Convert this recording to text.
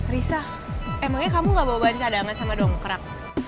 risa emangnya kamu nggak bawa ban cadangan sama dong krak